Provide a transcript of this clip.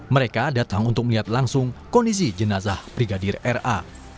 mereka datang untuk melihat langsung kondisi jenazah brigadir ra